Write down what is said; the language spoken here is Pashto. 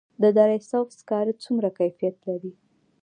د دره صوف سکاره څومره کیفیت لري؟